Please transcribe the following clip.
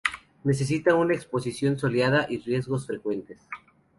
Necesita una exposición soleada y riegos frecuentes.